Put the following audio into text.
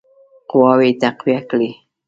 قواوي تقویه کړي.